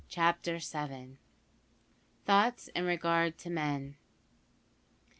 CHAPTER SEVEN. THOUGHTS IN REGARD TO MEN.